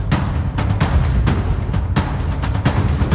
ติดตามต่อไป